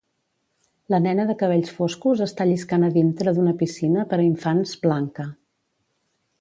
La nena de cabells foscos està lliscant a dintre d'una piscina per a infants blanca.